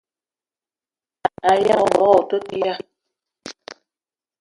Aya ngogo o te ton ya?